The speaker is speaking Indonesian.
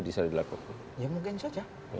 bisa dilakukan ya mungkin saja